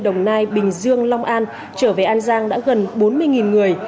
đồng nai bình dương long an trở về an giang đã gần bốn mươi người